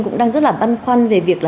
cũng đang rất là băn khoăn về việc